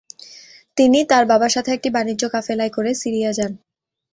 তিনি তার বাবার সাথে একটি বাণিজ্য কাফেলায় করে সিরিয়া যান।